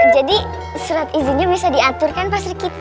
jadi surat izinnya bisa diaturkan pastri kitty